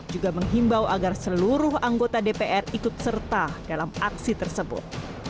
juga menghimbau agar seluruh anggota dpr ikut serta dalam aksi tersebut